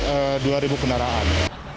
ada dua kendaraan